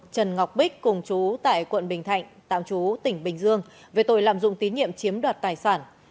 trần ngọc bích cùng chú tại quận bình thạnh tạm chú tỉnh bình dương về tội lạm dụng tín nhiệm chiếm đoạt tài sản